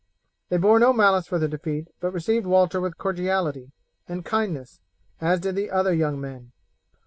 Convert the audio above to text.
They bore no malice for the defeat, but received Walter with cordiality and kindness, as did the other young men.